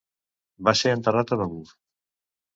Va ser enterrat a Begur.